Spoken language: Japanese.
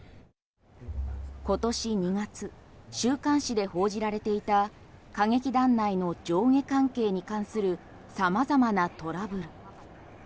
今年２月週刊誌で報じられていた歌劇団内の上下関係に関する様々なトラブル。